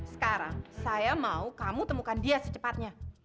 sekarang saya mau kamu temukan dia secepatnya